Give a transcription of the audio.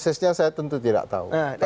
prosesnya saya tentu tidak tahu